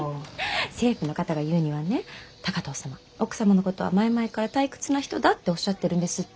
政府の方が言うにはね高藤様奥様のことは前々から退屈な人だっておっしゃってるんですって。